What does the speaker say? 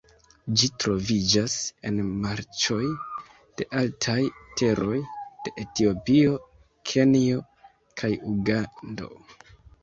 Ĝi troviĝas en marĉoj de altaj teroj de Etiopio, Kenjo kaj Ugando.